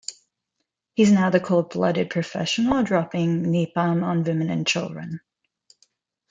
He's now the cold-blooded professional dropping napalm on women and children.